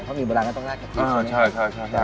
เพราะมีโบราณก็ต้องลาดกะทิอ๋อใช่ใช่ใช่ใช่